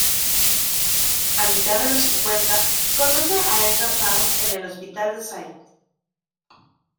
A mitad de los cincuenta conoce a Ezra Pound en el hospital de St.